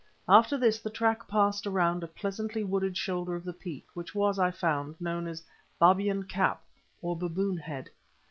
After this the track passed around a pleasantly wooded shoulder of the peak, which was, I found, known as Babyan Kap, or Baboon Head.